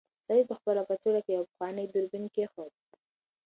سعید په خپله کڅوړه کې یو پخوانی دوربین کېښود.